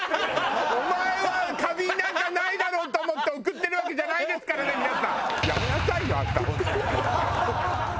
お前は花瓶なんかないだろうと思って贈ってるわけじゃないですからね皆さん。